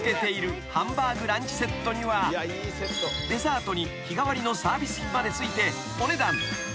［デザートに日替わりのサービス品までついてお値段］